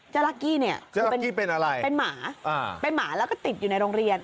รักกี้เนี่ยเจ้าลักกี้เป็นอะไรเป็นหมาเป็นหมาแล้วก็ติดอยู่ในโรงเรียน